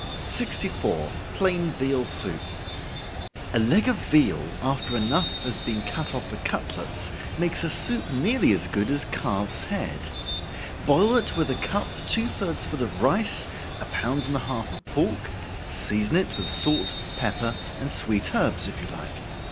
Plain Veal Soup. A leg of veal, after enough has been cut off for cutlets, makes a soup nearly as good as calf's head. Boil it with a cup two thirds full of rice, a pound and a half of pork season it with salt, pepper, and sweet herbs, if you like.